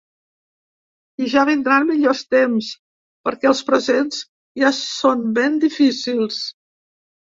I ja vindran millors temps, perquè els presents ja són ben difícils!